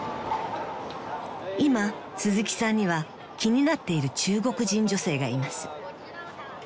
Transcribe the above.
［今鈴木さんには気になっている中国人女性がいます］